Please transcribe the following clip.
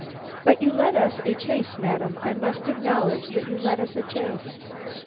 "But you led us a chase, madam; I must acknowledge that you led us a chase.